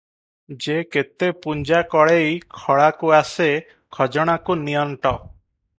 ଯେ କେତେ ପୁଞ୍ଜା କଳେଇ ଖଳାକୁ ଆସେ, ଖଜଣାକୁ ନିଅଣ୍ଟ ।